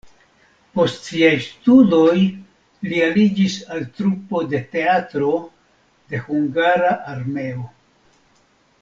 Post siaj studoj li aliĝis al trupo de Teatro de Hungara Armeo.